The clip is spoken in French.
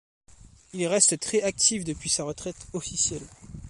Il reste très actif depuis sa retraite officielle.